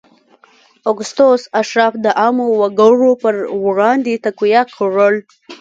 اګوستوس اشراف د عامو وګړو پر وړاندې تقویه کړل.